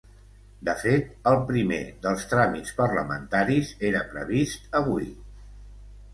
De fet, el primer dels tràmits parlamentaris era previst avui.